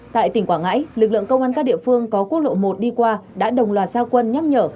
tại tỉnh quảng ngãi lực lượng công an các địa phương có quốc lộ một đi qua đã đồng loạt giao quân nhắc nhở